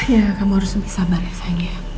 ya kamu harus lebih sabar ya sayang ya